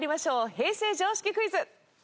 平成常識クイズ。